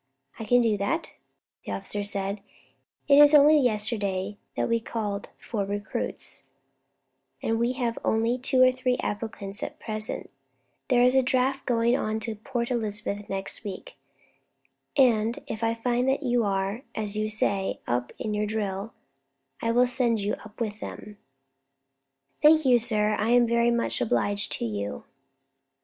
"I can do that," the officer said; "it is only yesterday that we called for recruits, and we have only had two or three applications at present; there is a draft going on to Port Elizabeth next week, and if I find that you are, as you say, up in your drill, I will send you up with them." "Thank you, sir, I am very much obliged to you."